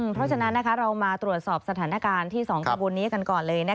เพราะฉะนั้นเรามาตรวจสอบสถานการณ์ที่๒ขบวนนี้กันก่อนเลย